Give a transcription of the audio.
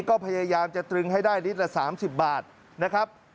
ก็พยายามจะตรึงให้ได้ลิตรละ๓๐บาทนะครับ